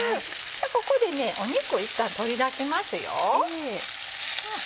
ここで肉いったん取り出します。